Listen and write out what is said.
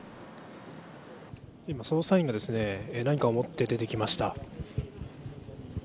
今、捜査員が何かを持って出てきました。